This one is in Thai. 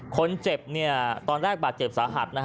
คนเจ็บตอนแรกแบบเจ็บสาหัส